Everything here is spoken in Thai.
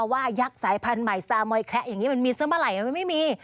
ว่ายักษ์ไสถ์พันธุ์ใหม่สามารคแคระมันมีสมาไลย์มันไม่มี